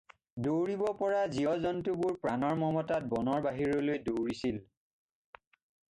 দৌৰিব পৰা জীৱ-জন্তুবোৰ প্ৰাণৰ মমতাত বনৰ বাহিৰলৈ দৌৰিছিল।